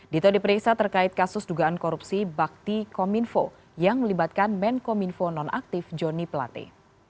dito diperiksa terkait kasus dugaan korupsi bakti kominfo yang melibatkan menkominfo nonaktif joni plate